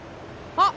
あっ。